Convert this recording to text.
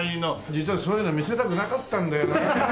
実はそういうの見せたくなかったんだよな。